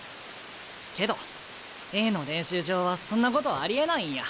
けどＡの練習場はそんなことありえないんや。